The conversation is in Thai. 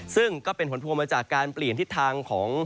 ซึ่งก็เป็นผลพวงมาจากการเปลี่ยนทิศทางของ